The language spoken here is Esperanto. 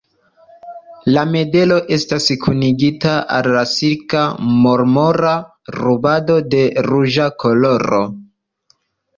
La medalo estas kunigita al silka marmora rubando de ruĝa koloro.